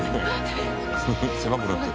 狭くなって。